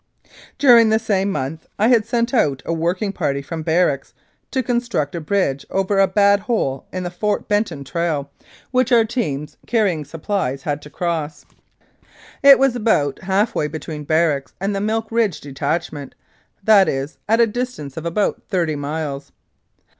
During the same month I had sent out a working party from barracks to construct a bridge over a bad hole in the Fort Benton trail, which our teams, carry 304 Some Early Reminiscences ing supplies, had to cross. It was about half way between barracks and the Milk Ridge detachment, that is, at a distance of about thirty miles.